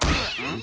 ん？